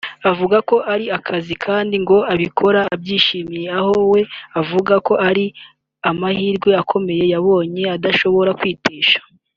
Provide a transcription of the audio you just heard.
Avuga ko ari akazi kandi ngo abikora abyishimiye aho we avuga ko ari amahirwe akomeye yabonye adashobora kwitesha